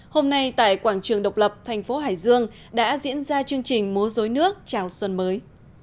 hôm nay tại quảng trường độc lập thành phố hải dương đã diễn ra chương trình múa dối nước chào xuân mới